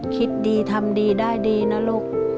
คิดดีทำดีได้ดีนะลูก